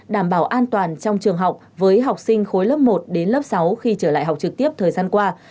đảm bảo an toàn trong trường học với học sinh khối lớp một đến lớp sáu khi trở lại học trực tiếp thời gian qua